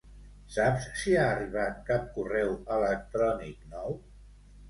Saps si ha arribat cap correu electrònic nou?